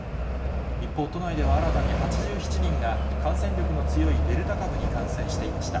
一方、都内では新たに８７人が、感染力の強いデルタ株に感染していました。